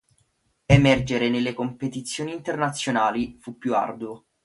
Emergere nelle competizioni internazionali fu più arduo.